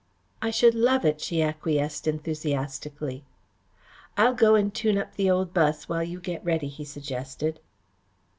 "I should love it," she acquiesced enthusiastically. "I'll go and tune up the old bus while you get ready," he suggested.